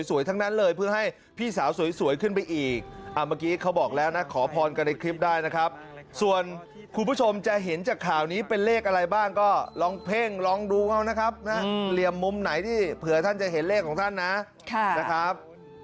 วันนี้ถึงรอบเปลี่ยนมงกุฎให้พี่สาวแล้วนะครับ